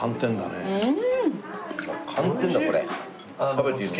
食べていいの？